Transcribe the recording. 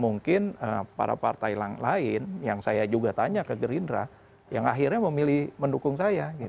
mungkin para partai lain yang saya juga tanya ke gerindra yang akhirnya memilih mendukung saya